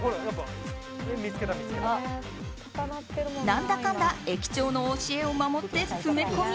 何だかんだ駅長の教えを守って詰め込み。